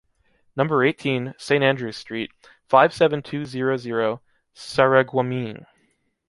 Number eighteen, St Andrews street, five-seven-two-zero-zero, Sarreguemines.